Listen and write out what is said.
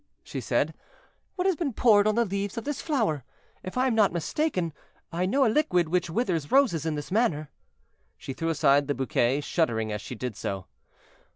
she said; "what has been poured on the leaves of this flower? If I am not mistaken, I know a liquid which withers roses in this manner." She threw aside the bouquet, shuddering as she did so.